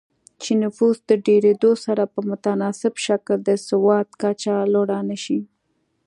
چې نفوس د ډېرېدو سره په متناسب شکل د سواد کچه لوړه نه شي